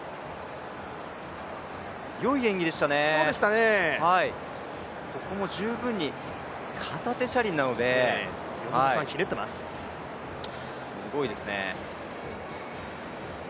よい演技でしたね、ここも十分に、片手車輪なので、すごいですね。